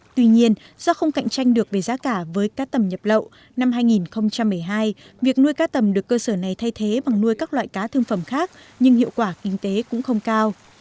tuy nhiên do không cạnh tranh được về giá cả với cá tầm nhập lậu năm hai nghìn một mươi hai việc nuôi cá tầm được cơ sở này thay thế bằng nuôi các loại cá thương phẩm khác nhưng hiệu quả kinh tế cũng không cao